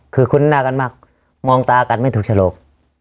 คือคุ้นหน้ากันมากมองตากันไม่ถูกฉลก